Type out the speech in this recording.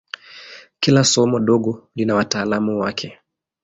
Kila somo dogo lina wataalamu wake.